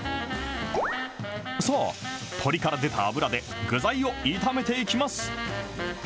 さあ、鶏から出た油で、具材を炒めていきます。